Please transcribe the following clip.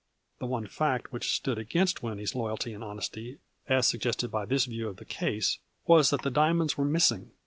The one fact which stood against Winnie's loyalty and hon esty, as suggested by this view of the case, was that the diamonds were missing.